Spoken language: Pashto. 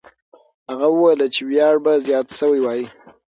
هغه وویل چې ویاړ به زیات سوی وای.